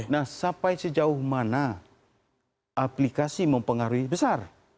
nah sampai sejauh mana aplikasi mempengaruhi besar